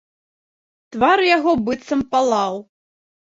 Твар яго быццам палаў.